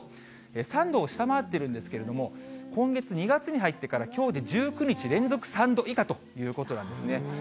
３度を下回ってるんですけれども、今月、２月に入ってからきょうで１９日連続３度以下ということなんですね。